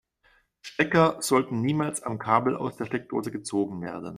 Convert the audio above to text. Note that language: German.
Stecker sollten niemals am Kabel aus der Steckdose gezogen werden.